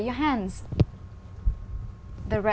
với những khu vực